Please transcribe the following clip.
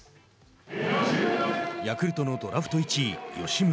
ヤクルトのドラフト１位吉村。